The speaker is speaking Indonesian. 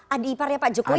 adiparnya pak jokowi